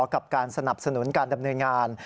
กับการสนับสนุนการดำเนินงาน